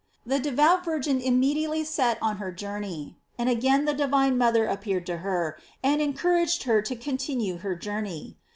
The devout virgin immediately set on her jour ney, and again the divine mother appeared to her and encouraged her to continue her journey.